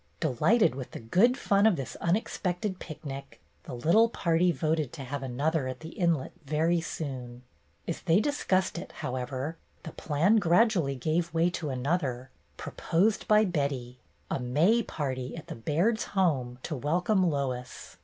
Delighted with the good fun of this unex pected picnic, the little party voted to have another at the inlet very soon. As they dis cussed it, however, the plan gradually gave way to another, proposed by Betty, — a May Party at the Bairds' home, to welcome Lois.